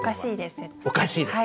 「おかしいです」